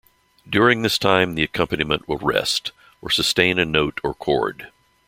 During this time the accompaniment will rest, or sustain a note or chord.